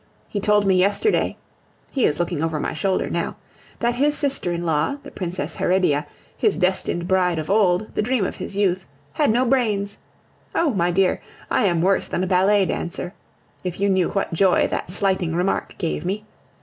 He told me yesterday (he is looking over my shoulder now) that his sister in law, the Princess Heredia, his destined bride of old, the dream of his youth, had no brains. Oh! my dear, I am worse than a ballet dancer! If you knew what joy that slighting remark gave me!